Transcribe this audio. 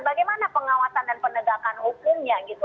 bagaimana pengawasan dan penegakan hukumnya gitu